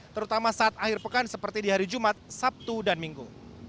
terutama saat akhir pekan seperti di hari jumat sabtu dan minggu